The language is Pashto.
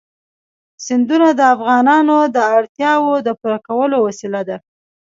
سیندونه د افغانانو د اړتیاوو د پوره کولو وسیله ده.